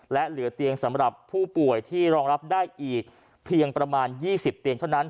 และเหลือเตียงสำหรับผู้ป่วยที่รองรับได้อีกเพียงประมาณ๒๐เตียงเท่านั้น